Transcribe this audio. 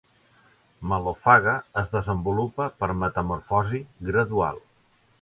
Mallophaga es desenvolupa per metamorfosi gradual.